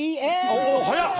おおはやっ！